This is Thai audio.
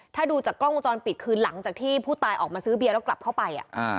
ถ้าดูจากกล้องวงจรปิดคือหลังจากที่ผู้ตายออกมาซื้อเบียร์แล้วกลับเข้าไป